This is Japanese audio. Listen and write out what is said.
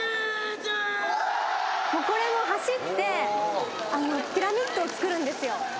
走ってピラミッドをつくるんですよ。